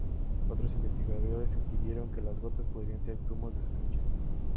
Otros investigadores sugirieron que las gotas podrían ser "grumos de escarcha".